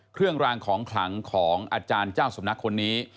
เครื่องรางของขลังของอาจารย์เจ้าสำนักคนนี้